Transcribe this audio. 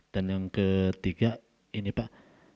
dan yang ketiga ini pak